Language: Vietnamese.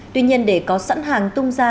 tuy nhiên để có sẵn hàng tung ra